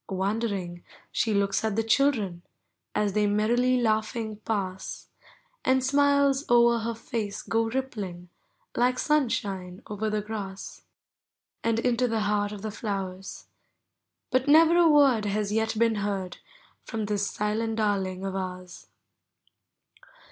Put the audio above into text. Wondering, she looks at the children. As they merrily laughing pass, And smiles o'er aer face go rippling, Like sunshine over the grass And into the heart of the llowers; But never a word lias yet been heard From this silent darling of ours.